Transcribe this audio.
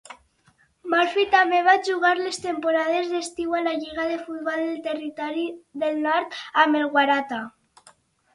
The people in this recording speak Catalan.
Murphy també va jugar les temporades d'estiu a la Lliga de Futbol del Territori del Nord amb el Waratah.